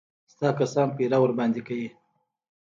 ستا کسان ورباندې پيره کوي.